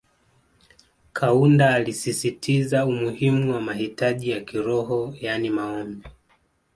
Kaunda alisisitiza umuhimu wa mahitaji ya kiroho yani Maombi